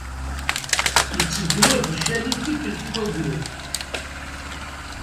Itteddu ad icali tikkelt i wayyur.